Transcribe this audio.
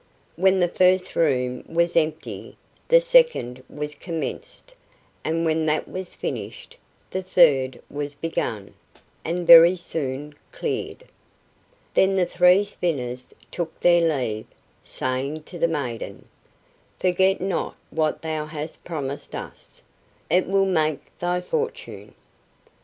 When the first room was empty, the second was commenced, and when that was finished, the third was begun, and very soon cleared. Then the three spinners took their leave, saying to the maiden: "Forget not what thou hast promised us; it will make thy fortune."